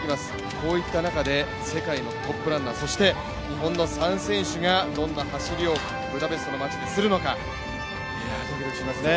こういった中、世界のトップランナーそして、日本の３選手がどんな走りをブダペストの街でしてくれるのかドキドキしますね。